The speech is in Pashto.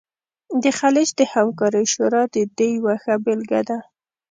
د خلیج د همکارۍ شورا د دې یوه ښه بیلګه ده